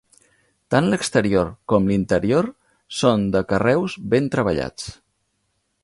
Tant l'exterior com l'interior són de carreus ben treballats.